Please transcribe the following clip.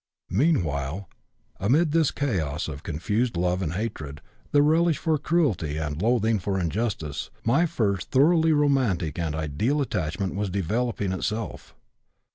"Meanwhile, amid this chaos of confused love and hatred, of relish for cruelty and loathing for injustice, my first thoroughly romantic and ideal attachment was developing itself.